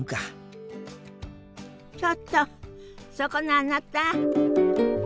ちょっとそこのあなた。